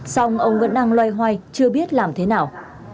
xong ông vẫn đang loay hoay chưa biết làm thế nào